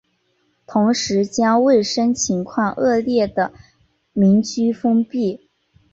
同时将卫生情况恶劣的民居封闭。